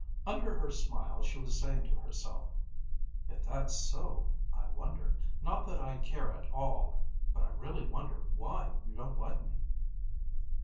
Under her smile she was saying to herself, "If that's so, I wonder not that I care at all but I really wonder why you don't like me."